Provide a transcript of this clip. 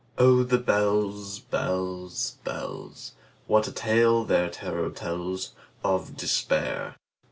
Oh, the bells, bells, bells! What a tale their terror tellsOf Despair!